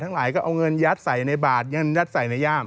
หลายก็เอาเงินยัดใส่ในบาทเงินยัดใส่ในย่าม